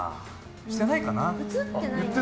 してないかな。